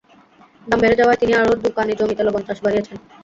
দাম বেড়ে যাওয়ায় তিনি আরও দুই কানি জমিতে লবণ চাষ বাড়িয়েছেন।